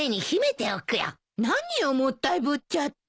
何よもったいぶっちゃって。